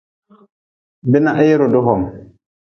Binahee rudi hom.